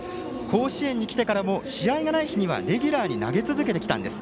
甲子園に来てからも試合がない日にはレギュラーに投げ続けてきたんです。